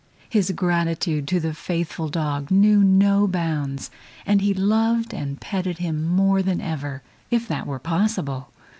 His gratitude to the faithful dog knew no bounds, and he loved and petted him more than ever, if that were possible.